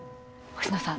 星野さん